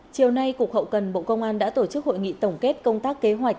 chiều nay cục hậu cần bộ công an đã tổ chức hội nghị tổng kết công tác kế hoạch